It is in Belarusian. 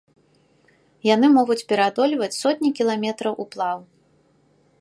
Яны могуць пераадольваць сотні кіламетраў уплаў.